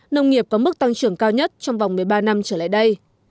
nông nghiệp có mức tăng trưởng cao nhất trong vòng một mươi ba năm trở lại đây